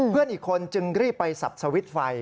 เพื่อนอีกคนจึงรีบไปสับสวิตช์ไฟ